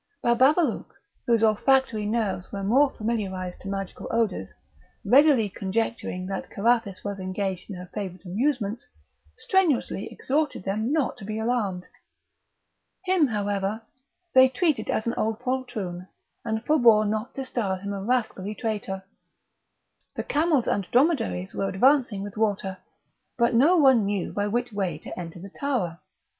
Bababalouk, whose olfactory nerves were more familiarised to magical odours, readily conjecturing that Carathis was engaged in her favourite amusements, strenuously exhorted them not to be alarmed. Him, however, they treated as an old poltroon, and forbore not to style him a rascally traitor. The camels and dromedaries were advancing with water, but no one knew by which way to enter the tower.